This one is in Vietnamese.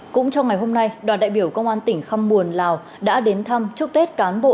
cũng trong ngày hôm nay đoàn đại biểu công an tỉnh khăm muồn lào đã đến thăm chúc tết cán bộ